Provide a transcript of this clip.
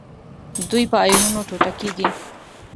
دوی په آیونونو ټوټه کیږي.